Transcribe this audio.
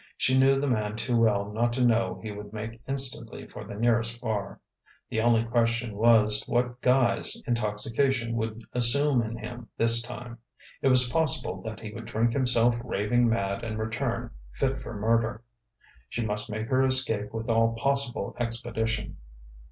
] She knew the man too well not to know he would make instantly for the nearest bar; the only question was what guise intoxication would assume in him, this time. It was possible that he would drink himself raving mad and return fit for murder. She must make her escape with all possible expedition....